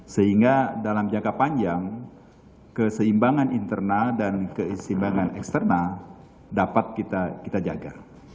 sehingga dalam jangka panjang keseimbangan internal dan keseimbangan eksternal dapat kita jaga